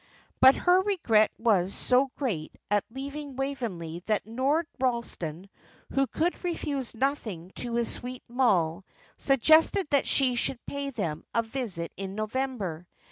But her regret was so great at leaving Waveney that Lord Ralston, who could refuse nothing to his sweet Moll, suggested that she should pay them a visit in November.